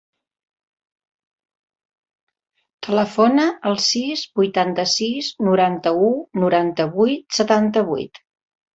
Telefona al sis, vuitanta-sis, noranta-u, noranta-vuit, setanta-vuit.